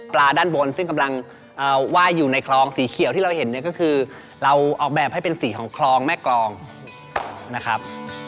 ด้านบนซึ่งกำลังไหว้อยู่ในคลองสีเขียวที่เราเห็นเนี่ยก็คือเราออกแบบให้เป็นสีของคลองแม่กรองนะครับ